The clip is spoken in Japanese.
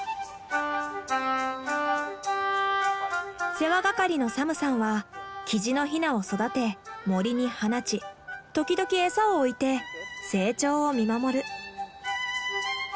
世話係のサムさんはキジのヒナを育て森に放ち時々餌を置いて成長を見守る。